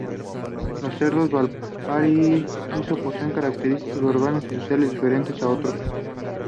Los cerros de Valparaíso poseen características urbanas y sociales diferentes unos de otros.